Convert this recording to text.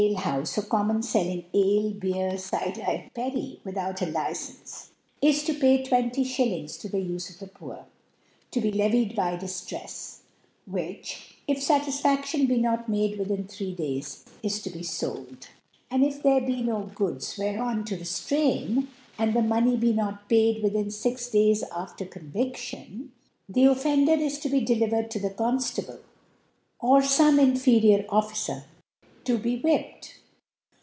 commonly (25) commonly fcl]ing Ale, Beer, Cyder and • Perry, without a Licence, is to pay Twen ty Shillings to the Ufc of the Poor, to be levied by Diftrefs ; which, if Satisfaftion be not made within ihree Days, is to be fold. And if there be no Goods whereon to di ftrain, and the Money be not paid within fix Days after Convi<5tion, the Offender is to be delivered to the Conftable, or fome inferior Officer, to be whipped.